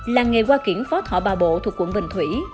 làng nghề hoa kiển phó thọ bà bộ thuộc quận bình thủy